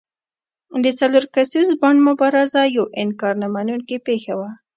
د څلور کسیز بانډ مبارزه یوه انکار نه منونکې پېښه وه.